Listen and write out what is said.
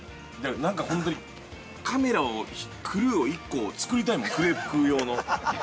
◆なんかカメラを、クルーを１個作りたいもんクレープ食う用の。